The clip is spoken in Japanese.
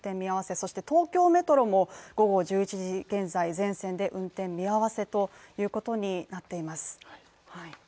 そして、東京メトロも午後１１時現在全線で運転見合わせということになっています。